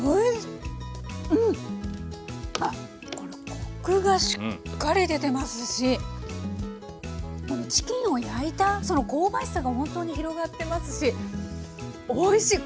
あっコクがしっかり出てますしチキンを焼いたその香ばしさがほんとに広がってますしおいしい！